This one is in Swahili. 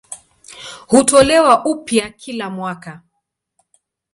Hutolewa upya kila mwaka.